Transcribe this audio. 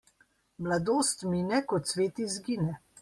Mladost mine, ko cvet izgine.